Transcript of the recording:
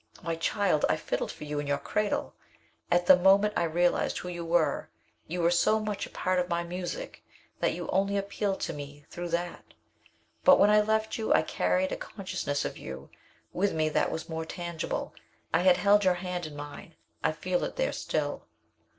Why, child, I fiddled for you in your cradle. At the moment I realized who you were, you were so much a part of my music that you only appealed to me through that. But when I left you, I carried a consciousness of you with me that was more tangible. I had held your hand in mine. I feel it there still.